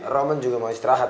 roman juga mau istirahat